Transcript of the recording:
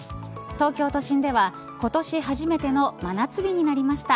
東京都心では今年初めての真夏日になりました。